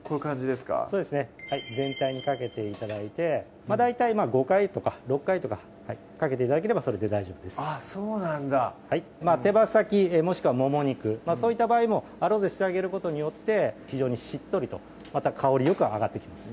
全体にかけて頂いて大体５回とか６回とかかけて頂ければそれで大丈夫ですあっそうなんだ手羽先もしくはもも肉そういった場合もアロゼしてあげることによって非常にしっとりとまた香りよくあがってきます